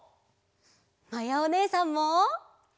まやおねえさんも！